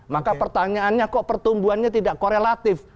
maka pertanyaannya kok pertumbuhannya tidak korelatif